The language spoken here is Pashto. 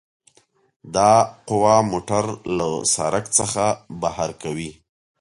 دا قوه موټر له سرک څخه بهر کوي